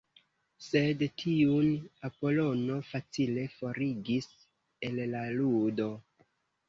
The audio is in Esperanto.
Sed tiun Apolono facile forigis el la ludo.